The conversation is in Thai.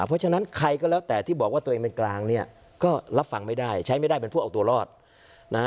เพราะฉะนั้นใครก็แล้วแต่ที่บอกว่าตัวเองเป็นกลางเนี่ยก็รับฟังไม่ได้ใช้ไม่ได้เป็นพวกเอาตัวรอดนะฮะ